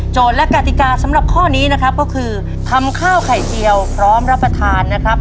และกติกาสำหรับข้อนี้นะครับก็คือทำข้าวไข่เจียวพร้อมรับประทานนะครับ